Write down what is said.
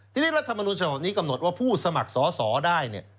ทีนี้รัฐมนุนฉบับนี้กำหนดว่าผู้สมัครสอสอได้เนี่ย